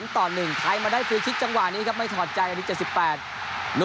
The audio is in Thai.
๓๑ไทยมาได้ฟรีคลิกจังหวะนี้ครับไม่ถอดใจอาทิตย์๗๘